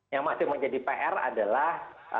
yang masih mau jadi pr adalah